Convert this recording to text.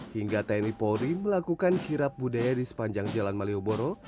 hingga tni polri melakukan kirap budaya di sepanjang jalan malioboro